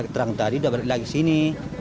terang tadi sudah balik lagi ke sini